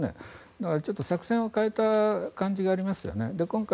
ちょっと作戦を変えた感じがありますよね。